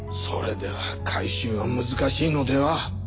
それでは回収は難しいのでは？